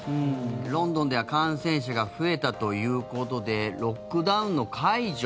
ロンドンでは感染者が増えたということでロックダウンの解除